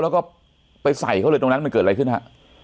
แล้วก็ไปใส่เขาเลยตรงนั้นมันเกิดอะไรขึ้นฮะ